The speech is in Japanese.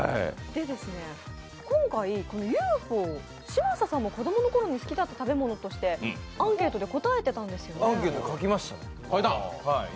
今回、Ｕ．Ｆ．Ｏ、嶋佐さんも子供のころ好きだった食べ物としてアンケートで答えてたんですよね。